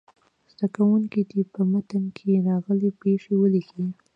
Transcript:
زده کوونکي دې په متن کې راغلې پيښې ولیکي.